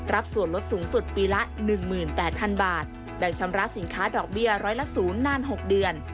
ส่วนลดสูงสุดปีละ๑๘๐๐๐บาทแบ่งชำระสินค้าดอกเบี้ยร้อยละ๐นาน๖เดือน